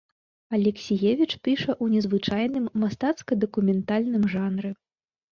Алексіевіч піша ў незвычайным мастацка-дакументальным жанры.